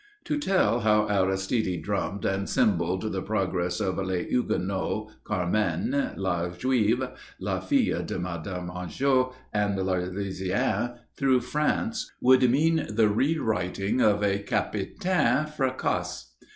To tell how Aristide drummed and cymballed the progress of Les Huguenots, Carmen, La Juive, La Fille de Madame Angot and L'Arlésienne through France would mean the rewriting of a "Capitaine Fracasse."